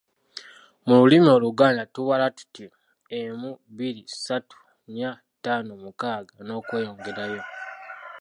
Mu lulimi Oluganda tubala tuti “emu, bbiri, satu, nnya, ttaano, mukaaga, n'okweyongerayo.